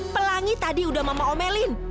pelangi tadi udah mama omelin